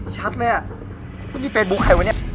ชัดมั้ยมันเป็นเฟสบุ๊คใครวะเนี่ย